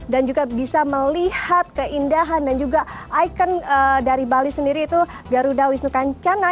dan juga bisa melihat keindahan dan juga ikon dari bali sendiri itu garuda wisnu kancana